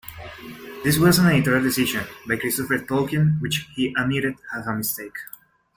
This was an editorial decision by Christopher Tolkien which he admitted as a mistake.